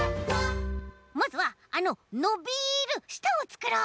まずはあののびるしたをつくろう！